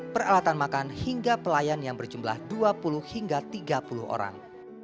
peralatan makan hingga pelayan yang berjumlah dua puluh hingga tiga puluh orang